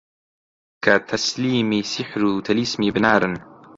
کە تەسلیمی سیحر و تەلیسمی بنارن